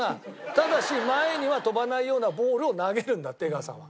ただし前には飛ばないようなボールを投げるんだって江川さんは。